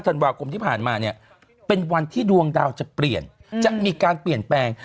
ธันวาคมที่ผ่านมาเนี่ยเป็นวันที่ดวงดาวจะเปลี่ยนจะมีการเปลี่ยนแปลง